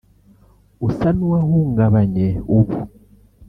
usa n’uwahungabanye ubu